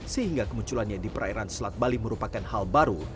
sehingga kemunculannya di perairan selat bali merupakan hal baru